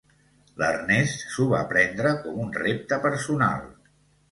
L'Ernest s'ho va prendre com un repte personal.